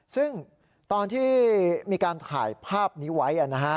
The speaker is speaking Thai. ซึ่งตอนที่มีการถ่ายภาพนี้ไว้